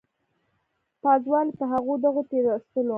پازوالو په هغو دغو تېرېستلو.